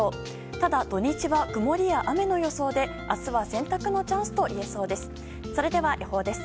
ただ、土日は曇りや雨の予想で明日は洗濯のチャンスといえそうです。